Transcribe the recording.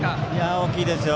大きいですよ。